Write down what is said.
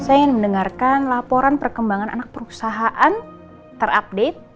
saya ingin mendengarkan laporan perkembangan anak perusahaan terupdate